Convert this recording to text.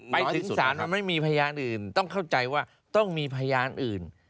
ไปถึงศาลมันไม่มีพยานอื่นต้องเข้าใจว่าต้องมีพยานอื่น